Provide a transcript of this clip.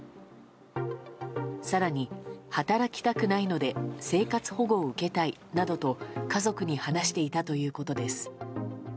更に、働きたくないので生活保護を受けたいなどと家族に話していたということです。